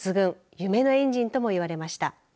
夢のエンジンとも言われました。